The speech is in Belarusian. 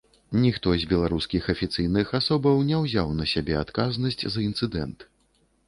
Ніхто з беларускіх афіцыйных асобаў не ўзяў на сябе адказнасць за інцыдэнт.